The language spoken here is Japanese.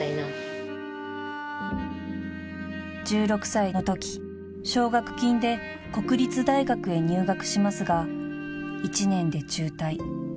［１６歳のとき奨学金で国立大学へ入学しますが１年で中退］